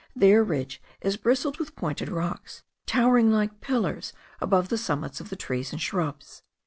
Their ridge is bristled with pointed rocks, towering like pillars above the summits of the trees and shrubs.